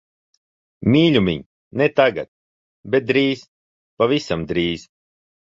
Mīļumiņ, ne tagad. Bet drīz, pavisam drīz.